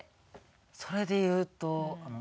それでいうと。